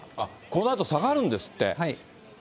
このあと、下がるんですって。